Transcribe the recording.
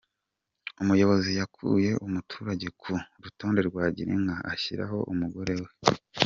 Umuyobozi yakuye umuturage ku rutonde rwa Girinka, ashyiraho umugore we